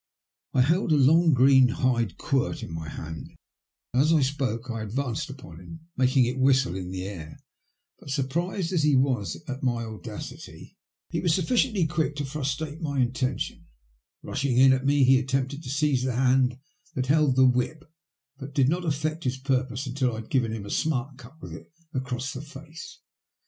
I held a long green hide quirt in my hand, and as I spoke I advanced upon him, makhig it whistle in the air. But surprised as he was at my audacity •; i^. ^^' tur K^ . >x >• SD i MY CHANCE IN LIFE. 18 he was BoflSciently quick to frustrate my intention. Bushing in at me he attempted to seize the hand that held the whip, but he did not affect his purpose until I had given him a smart cut with it across the face.